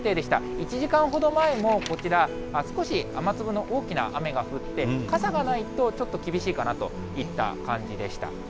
１時間ほど前も、こちら、少し雨粒の大きな雨が降って、傘がないとちょっと厳しいかなといった感じでした。